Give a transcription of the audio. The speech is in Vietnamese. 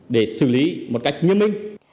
để xử lý một cách nghiêm minh